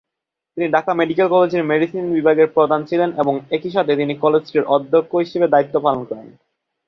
তিনি ঢাকা মেডিকেল কলেজের মেডিসিন বিভাগের প্রধান ছিলেন, এবং একই সাথে তিনি কলেজটির অধ্যক্ষ হিসেবে দায়িত্ব পালন করেন।